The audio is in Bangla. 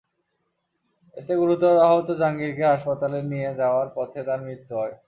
এতে গুরুতর আহত জাহাঙ্গীরকে হাসপাতালে নিয়ে যাওয়ার পথে তাঁর মৃত্যু হয়।